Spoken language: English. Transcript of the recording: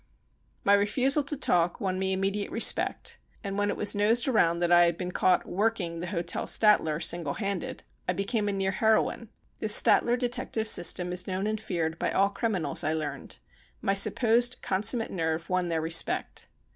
My refusal to talk won me immediate respect. And when it was nosed around that I had been caught "working" the Hotel Statler, single handed, I h«came a near heroine. The Statler detective system is known and feared by all criminals, I learned. My supposed consumate nerve won their respect.